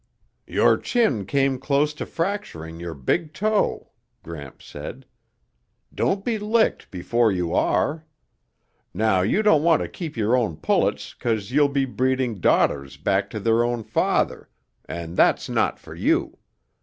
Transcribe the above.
"Your chin came close to fracturing your big toe," Gramps said. "Don't be licked before you are. Now you don't want to keep your own pullets 'cause you'll be breeding daughters back to their own father, and that's not for you.